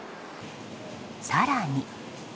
更に。